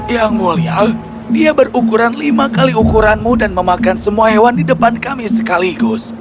yang mulia dia berukuran lima kali ukuranmu dan memakan semua hewan di depan kami sekaligus